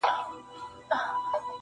او ځينې پوښتني بې ځوابه وي تل,